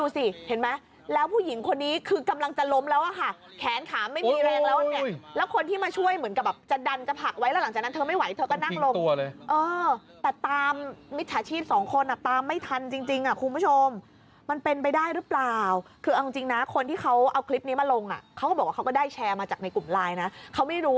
แต่หมอจะบอกว่ามันไม่มีหรอกผมเนี่ยเออ